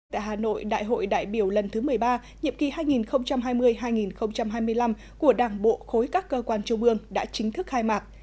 tại hà nội đại hội đại biểu lần thứ một mươi ba nhiệm kỳ hai nghìn hai mươi hai nghìn hai mươi năm của đảng bộ khối các cơ quan trung ương đã chính thức khai mạc